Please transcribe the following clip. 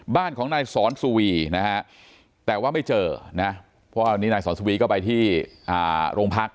บ้านของนายสอนสุวีนะฮะแต่ว่าไม่เจอนะเพราะว่าวันนี้นายสอนสุวีก็ไปที่โรงพัก